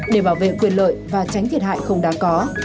để bảo vệ quyền lợi và tránh thiệt hại không đáng có